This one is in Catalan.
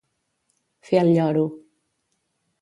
Fer el lloro.